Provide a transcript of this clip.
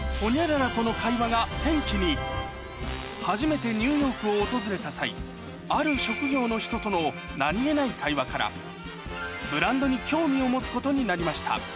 初めてニューヨークを訪れた際ある職業の人との何げない会話からブランドに興味を持つことになりました